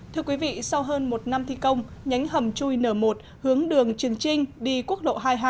thưa quý vị sau hơn một năm thi công nhánh hầm chui n một hướng đường trường trinh đi quốc lộ hai mươi hai